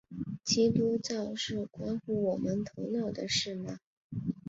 基督教是关乎我们头脑的事吗？